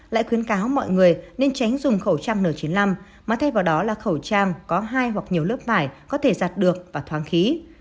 lại khuyến cáo mọi người nên tránh dùng khẩu trang n chín mươi năm mà thay vào đó là khẩu trang có hai hoặc nhiều lớp vải có thể giặt được và thoáng khí